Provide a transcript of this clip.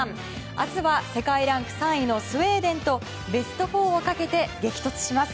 明日は世界ランク３位のスウェーデンとベスト４をかけて激突します。